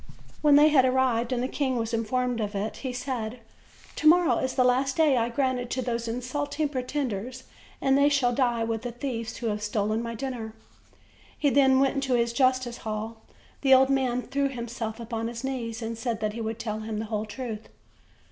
When they had arrived, and the king was informed of it, he said: "To morrow is the last day I granted to those insulting pretenders, and they shall die with the thieves who have stolen my dinner." He then went into his justice hall. The old man threw himself upon his knees and said that he would tell him the whole truth.